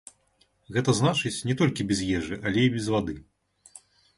Гэта значыць, не толькі без ежы, але і без вады.